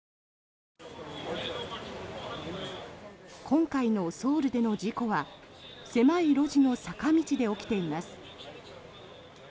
今回のソウルでの事故は狭い路地の坂道で起きています。